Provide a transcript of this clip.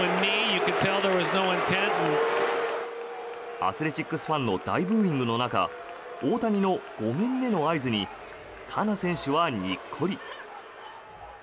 アスレチックスファンの大ブーイングの中大谷のごめんねの合図にカナ選手はニッコリ。